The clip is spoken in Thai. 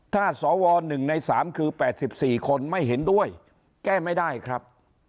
ถ้าสวหนึ่งในสามคือแปดสิบสี่คนไม่เห็นด้วยแก้ไม่ได้ครับ